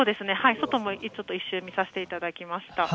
外も１周見させていただきました。